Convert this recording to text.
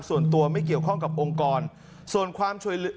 ส่วนตัวไม่เกี่ยวข้องกับองค์กรส่วนความช่วยเหลือ